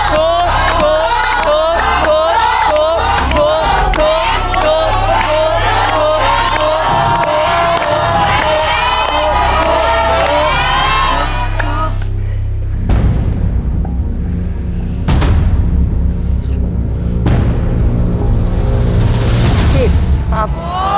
โหดโหดโหดโหด